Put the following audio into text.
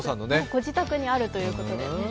ご自宅にあるということですね。